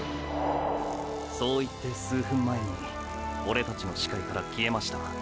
そう言って数分前にオレたちの視界から消えました。